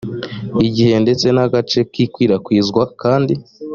igihe ndetse n agace k ikwirakwizwa kandi